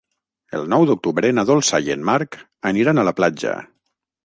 El nou d'octubre na Dolça i en Marc aniran a la platja.